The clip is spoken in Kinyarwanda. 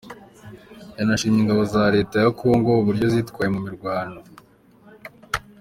Yanashimiye ingabo za Leta ya Kongo uburyo zitwaye mu mirwano.